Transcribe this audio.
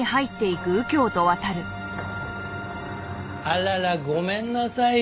あららごめんなさい